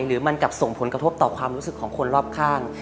หรือมันกลับส่งผลกระทบต่อความรู้สึกของคนรอบข้าง